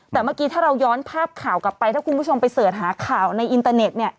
แต่เมื่อกี้ถ้าเราย้อนภาพข่าวกลับไปถ้าคุณผู้ชมไปเสิร์ชหาข่าวในอินเตอร์เน็ตเนี่ย